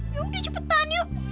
yaudah cepetan yuk